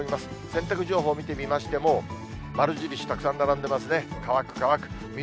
洗濯情報見てみましても、丸印、たくさん並んでますね。